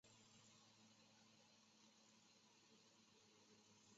科翁人口变化图示